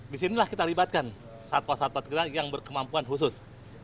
di sinilah kita libatkan satwa satwa kita yang berkemampuan khusus